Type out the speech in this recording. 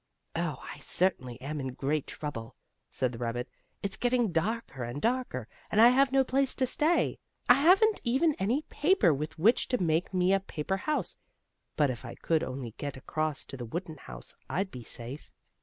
"Oh, I certainly am in great trouble," said the rabbit. "It's getting darker and darker, and I have no place to stay. I haven't even any paper with which to make me a paper house, but if I could only get across to the wooden house, I'd be safe."